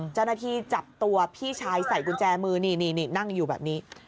เจ้าหน้าที่จับตัวพี่ชายใส่กุญแจมือนี่นั่งอยู่แบบนี้